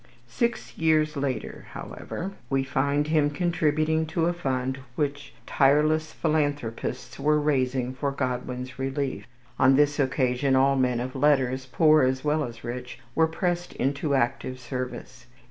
Six years later, however, we find him contributing to a fund which tireless philanthropists were raising for Godwin's relief. On this occasion all men of letters, poor as well as rich, were pressed into active service.